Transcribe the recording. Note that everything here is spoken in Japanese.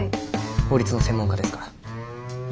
法律の専門家ですから。